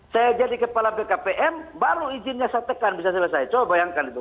saya jadi kepala bkpm baru izinnya saya tekan bisa selesai coba bayangkan itu